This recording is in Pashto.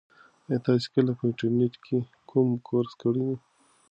ایا تاسي کله په انټرنيټ کې کوم کورس کړی دی؟